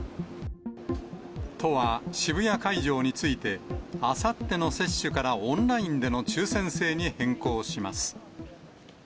都は渋谷会場について、あさっての接種からオンラインでの抽せん制に変更します。